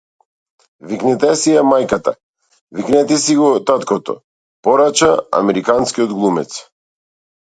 Викнете си ја мајката, викнете си го таткото, порача американскиот глумец.